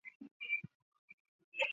圣卡斯坦人口变化图示